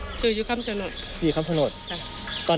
แล้วหลังจากเห็นรูปทั้งสองคน